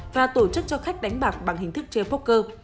và tổ chức cho khách đánh bạc bằng hình thức chơi bóc cơ